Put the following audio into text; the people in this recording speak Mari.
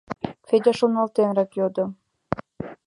— Федя шоналтьенрак йодо.